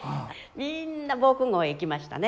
みんな防空ごうへ行きましたね。